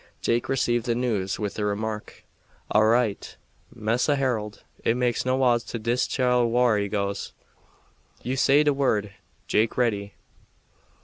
Jake received the news with the remark: "All right, Massa Harold. It make no odds to dis chile whar he goes. You say de word Jake ready."